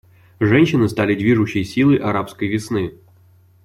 Женщины стали движущей силой «арабской весны».